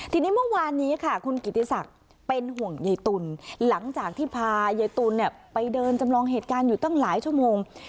ทีนี้เมื่อวานนี้ค่ะคุณกิติศักดิ์เป็นห่วงยายตุลหลังจากที่พายายตุ๋นไปเดินจำลองเหตุการณ์อยู่ตั้งหลายชั่วโมง